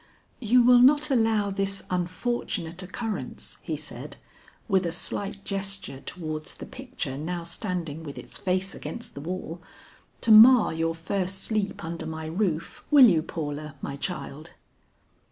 "You will not allow this unfortunate occurrence," he said, with a slight gesture towards the picture now standing with its face against the wall, "to mar your first sleep under my roof, will you Paula, my child?"